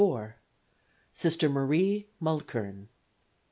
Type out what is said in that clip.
Sister Marie Mulkern.